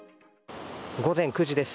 午前９時です。